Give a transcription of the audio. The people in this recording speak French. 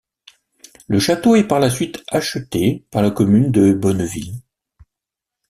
Le château est par la suite acheté par la commune de Bonneville.